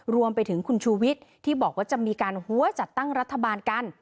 รวมไปถึงคุณชูวิทย์ที่บอกว่าจะมีการหัวจัดตั้งรัฐบาลกัน